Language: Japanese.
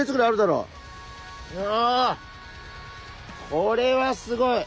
これはすごい。